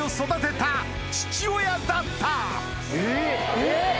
えっ！